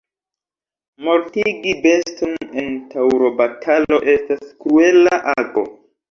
Mortigi beston en taŭrobatalo estas kruela ago.